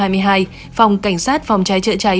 phòng cảnh sát phòng cháy chữa cháy